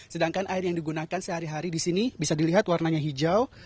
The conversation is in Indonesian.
sedangkan air yang digunakan sehari hari di sini bisa dilihat warnanya hijau